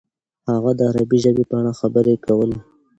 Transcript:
هغه د عربي ژبې په اړه خبرې کولې.